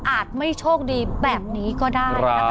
ไม่โชคดีแบบนี้ก็ได้นะคะ